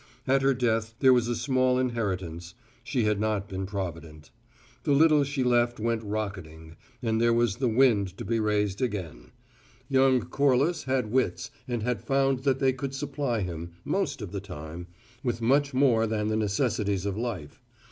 At her death there was a small inheritance; she had not been provident. The little she left went rocketing, and there was the wind to be raised again: young Corliss had wits and had found that they could supply him most of the time with much more than the necessities of life.